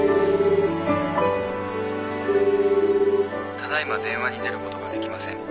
「ただいま電話に出ることができません。